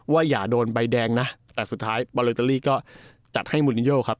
อย่าโดนใบแดงนะแต่สุดท้ายบอเลเตอรี่ก็จัดให้มูลินโยครับ